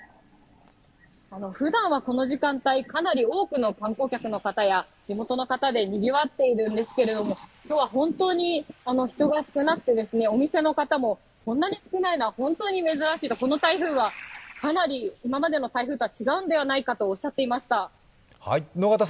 ふだんはこの時間帯かなり多くの観光客の人や地元の方でにぎわっているんですけれども、今日は本当に人が少なくてお店の方もこんなに少ないのは本当に珍しいと、この台風はかなり今までの台風とは違うんではないかとおっしゃっていました。